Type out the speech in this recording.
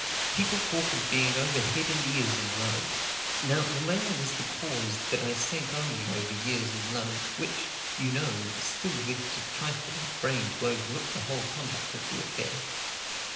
People talk of being over head and ears in love now, the mail was the cause that I sank only over ears in love, which, you know, still left a trifle of brain to overlook the whole conduct of the affair.